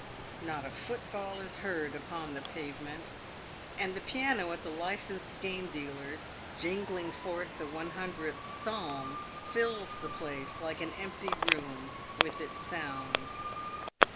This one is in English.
Not a footfall is heard upon the pavement, and the piano at the licensed game dealer's, jingling forth the 100th Psalm, fills the place, like an empty room, with its sounds.